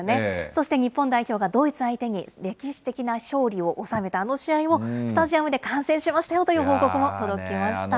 そして日本代表がドイツ相手に歴史的な勝利を収めたあの試合をスタジアムで観戦しましたよという報告も届きました。